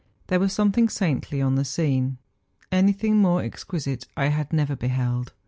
There was something saintly on the scene. Anything more exquisite I had never beheld.